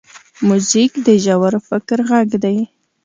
موزیک د ژور فکر غږ دی.